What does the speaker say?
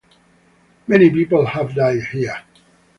Many people have died here.